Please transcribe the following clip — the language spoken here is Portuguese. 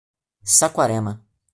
Saquarema